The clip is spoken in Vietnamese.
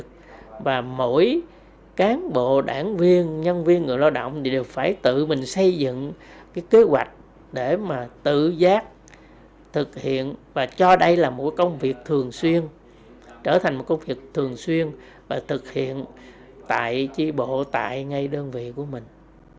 và mỗi cán bộ đảng viên nhân viên người lao động đều phải tự mình xây dựng cái kế hoạch để mà tự giác thực hiện và cho đây là một công việc thường xuyên trở thành một công việc thường xuyên và thực hiện tại chi bộ tại ngay đơn vị của mình